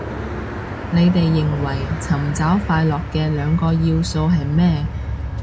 你哋認為尋找快樂嘅兩個要素係咩